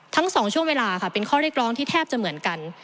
ช่วงเวลาค่ะเป็นข้อเรียกร้องที่แทบจะเหมือนกัน